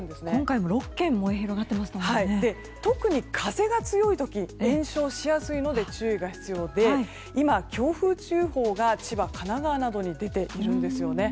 はい、特に風が強い時は延焼しやすいので注意が必要でして今、強風注意報が千葉や神奈川に出ているんですね。